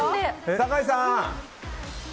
酒井さん！